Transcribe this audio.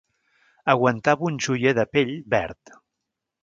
Aguantava un joier de pell verd.